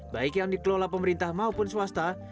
baik yang dikelola pemerintah maupun swasta